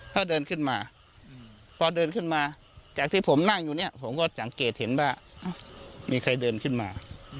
เขาเดินขึ้นมาพอเดินขึ้นมาจากที่ผมนั่งอยู่เนี่ยผมก็สังเกตเห็นว่ามีใครเดินขึ้นมา